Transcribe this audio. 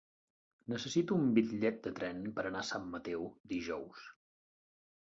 Necessito un bitllet de tren per anar a Sant Mateu dijous.